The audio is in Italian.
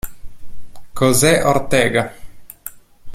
José Ortega